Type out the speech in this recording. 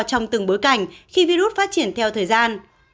trong từng bối cảnh khi virus phát triển theo thời gian